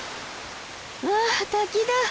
わあ滝だ。